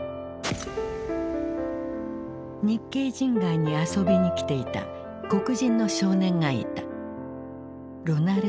日系人街に遊びに来ていた黒人の少年がいた。